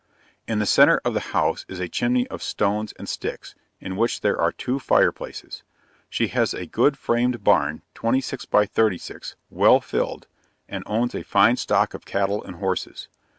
In the centre of the house is a chimney of stones and sticks, in which there are two fire places. She has a good framed barn, 26 by 36, well filled, and owns a fine stock of cattle and horses.